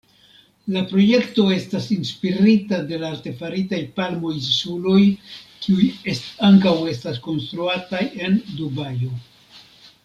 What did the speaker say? La projekto estas inspirita de la artefaritaj Palmo-insuloj, kiuj ankaŭ estas konstruataj en Dubajo.